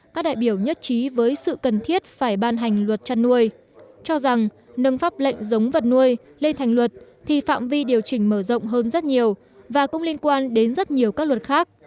các đại biểu nhất trí với sự cần thiết phải ban hành luật chăn nuôi cho rằng nâng pháp lệnh giống vật nuôi lên thành luật thì phạm vi điều chỉnh mở rộng hơn rất nhiều và cũng liên quan đến rất nhiều các luật khác